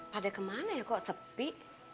pada kemana ya kok sepi